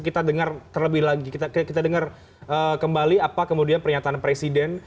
kita dengar terlebih lagi kita dengar kembali apa kemudian pernyataan presiden